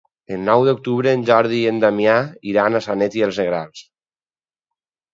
El nou d'octubre en Jordi i en Damià iran a Sanet i els Negrals.